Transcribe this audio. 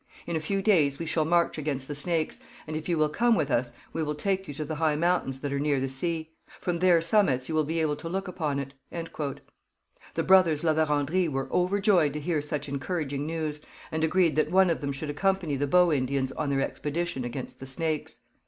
In a few days we shall march against the Snakes; and if you will come with us, we will take you to the high mountains that are near the sea. From their summits you will be able to look upon it.' The brothers La Vérendrye were overjoyed to hear such encouraging news, and agreed that one of them should accompany the Bow Indians on their expedition against the Snakes.